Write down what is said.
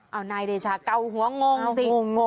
เอานายเดชาเกาหัวงงสิงง